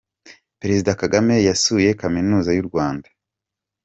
Perezida Kagame yasuye Kaminuza Y’urwanda